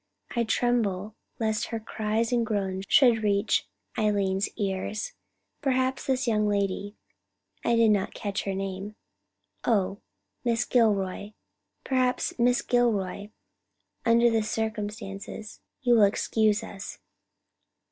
I tremble lest her cries and groans should reach Eileen's ears. Perhaps this young lady—I did not catch her name—oh, Miss Gilroy—perhaps Miss Gilroy, under the circumstances, you will excuse us."